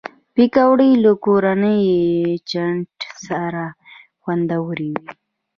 پکورې له کورني چټن سره خوندورې وي